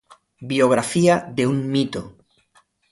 Biografía de un mito.